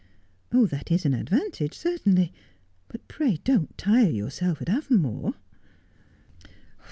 ' That is an advantage, certainly. But pray don't tire yourself at Avonmore.'